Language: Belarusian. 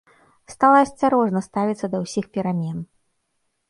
Стала асцярожна ставіцца да ўсіх перамен.